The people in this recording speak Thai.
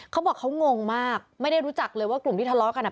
เขาบอกเขางงมากไม่ได้รู้จักเลยว่ากลุ่มที่ทะเลาะกันอ่ะ